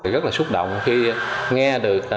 rất là xúc động khi nghe được